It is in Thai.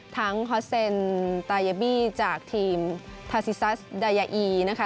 ทั้งฮอสเซนตาเยบี่จากทีมทาซิซัสไดยีนะคะ